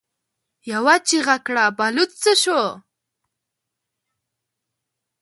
يوه چيغه کړه: بلوڅ څه شو؟